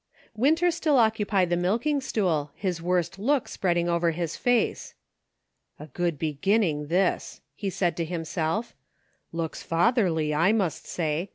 74 UNSEEN CONNECTIONS. Winter still occupied the milking stool, his worst look spreading over his face. "A good beginning, this !" he said to himself; "looks fatherly, I must say.